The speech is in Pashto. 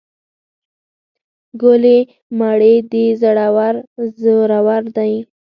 ګلې مړې دې زورور دي.